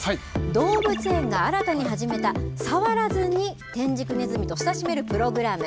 動物園が新たに始めた触らずにテンジクネズミと親しめるプログラム